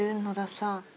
野田さん。